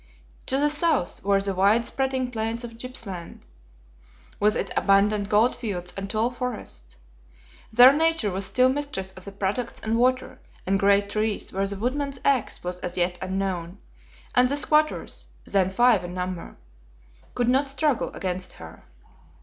To the south were the wide spreading plains of Gippsland, with its abundant gold fields and tall forests. There nature was still mistress of the products and water, and great trees where the woodman's ax was as yet unknown, and the squatters, then five in number, could not struggle against her.